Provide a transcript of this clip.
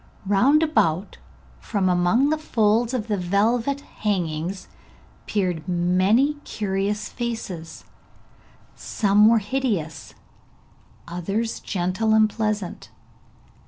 Round about, from among the folds of the velvet hangings peered many curious faces: some were hideous, others gentle and pleasant.